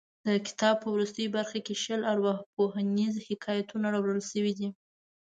د کتاب په وروستۍ برخه کې شل ارواپوهنیز حکایتونه راوړل شوي دي.